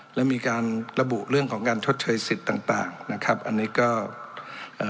แล้วมีการระบุเรื่องของการชดเชยสิทธิ์ต่างต่างนะครับอันนี้ก็เอ่อ